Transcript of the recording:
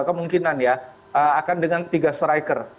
kemungkinan ya akan dengan tiga striker